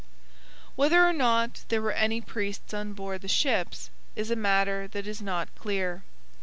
Whether or not there were any priests on board the ships is a matter that is not clear.